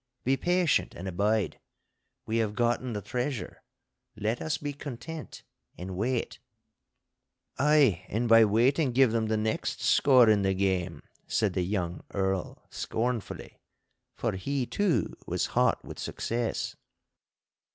Be patient and abide. We have gotten the treasure. Let us be content and wait.' 'Ay, and by waiting give them the next score in the game!' said the young Earl, scornfully—for he, too, was hot with success.